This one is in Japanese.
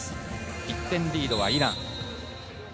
１点リードはイラン。